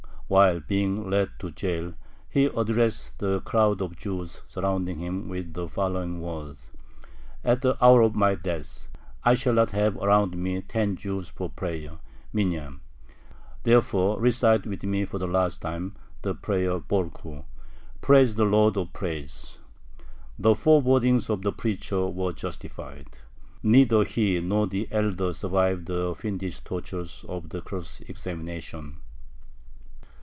While being led to jail, he addressed the crowd of Jews surrounding him with the following words: "At the hour of my death I shall not have around me ten Jews for prayer (minyan). Therefore recite with me for the last time the prayer Borkhu ('Praise the Lord of Praise!')." The forebodings of the preacher were justified. Neither he nor the elder survived the fiendish tortures of the cross examination.